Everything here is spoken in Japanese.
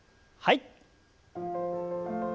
はい。